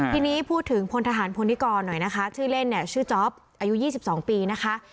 ทีนี้พูดถึงพลทหารพลนิกรหน่อยนะคะชื่อเล่นเนี่ยชื่อจ๊อปอายุ๒๒ปีนะคะ